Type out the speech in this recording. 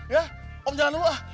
ya om jangan dulu ah